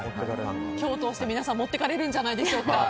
今日を通して皆さん持っていかれるんじゃないでしょうか。